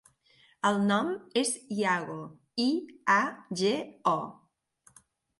El nom és Iago: i, a, ge, o.